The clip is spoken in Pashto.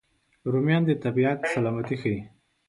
رومیان د طبیعت سلامتي ښيي